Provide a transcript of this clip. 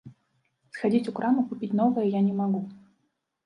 Схадзіць у краму купіць новыя я не магу.